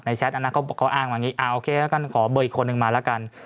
ในแชทอันนั้นเขาอ้างว่าโอเคแล้วก็ขอเบอร์อีกคนนึงมาแล้วกัน